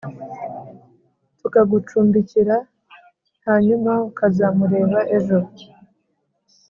tukagucumbikira hanyuma ukazamureba ejo